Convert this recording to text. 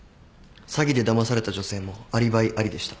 詐欺でだまされた女性もアリバイありでした。